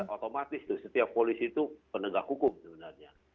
otomatis tuh setiap polisi itu penegak hukum sebenarnya